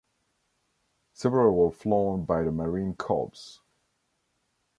Several were flown by the Marine Corps.